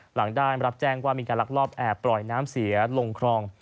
หลังได้รับแจ้งว่ามีการลักลอบแอบปล่อยน้ำเสียลงคลอง